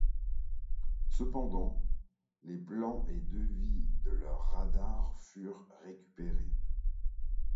Cependant, les plans et devis de leurs radars furent récupérés.